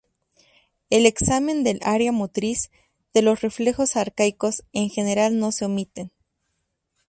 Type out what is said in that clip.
El examen del área motriz, de los reflejos arcaicos, en general no se omiten.